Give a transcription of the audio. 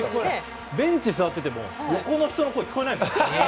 ベンチ座ってても横の人の声聞こえない。